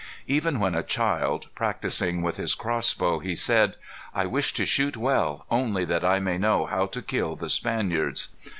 Even when a child, practising with his cross bow, he said, "I wish to shoot well, only that I may know how to kill the Spaniards."